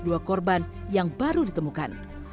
dua korban yang baru ditemukan